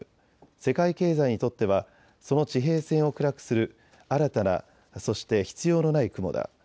世界経済にとってはその地平線を暗くする新たな、そして必要のない雲だ。